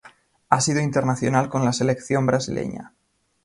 Ha sido internacional con la Selección brasileña.